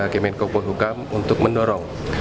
kemen kopol hukam untuk mendorong